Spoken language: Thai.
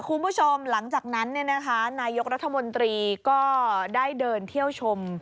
คุณผู้ชมหลังจากนั้นนายกรัฐมนตรีก็ได้เดินเที่ยวชม